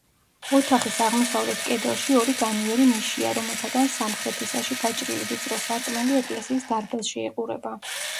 ოთახის აღმოსავლეთ კედელში ორი განიერი ნიშია, რომელთაგან სამხრეთისაში გაჭრილი ვიწრო სარკმელი ეკლესიის დარბაზში იყურება.